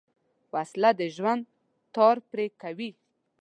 وسله د ژوند تار پرې کوي